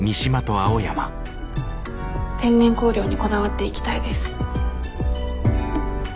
天然香料にこだわっていきたいです。